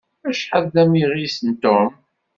Acḥal d amiɣis Tom!